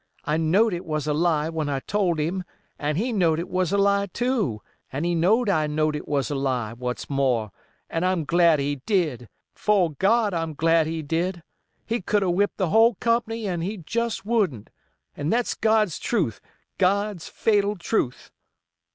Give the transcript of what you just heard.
I knowed it was a lie when I told him, and he knowed it was a lie too, and he knowed I knowed it was a lie—what's more—and I'm glad he did—fo' God I'm glad he did. He could 'a' whipped the whole company an' he jest wouldn't—an' that's God's truth—God's fatal truth."